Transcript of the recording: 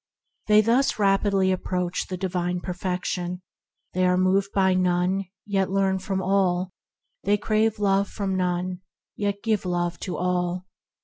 They thus rapidly approach the Divine Perfection. They are moved by none, yet learn from all. They crave love from none, yet give love to all.